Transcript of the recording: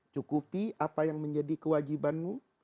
cukupi apa yang menjadi kewajibanmu